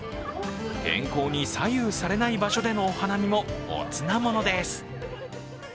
天候に左右されない場所でのお花見もおつなものです。